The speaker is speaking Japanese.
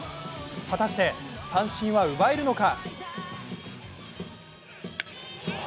果たして三振は奪えるのか。